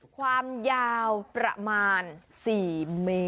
ความยาวประมาณ๔เมตร